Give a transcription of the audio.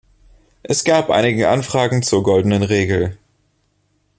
Es gab einige Anfragen zur goldenen Regel.